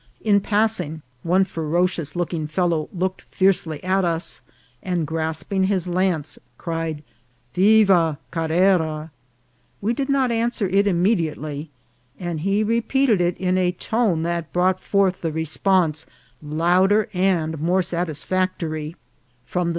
In passing, one ferocious look ing fellow looked fiercely at us, and grasping his lance, cried "Viva Carrera." We did not answer it imme diately, and he repeated it in a tone that brought forth the response louder and more satisfactory, from the 76 INCIDENTS OPTRAVEL.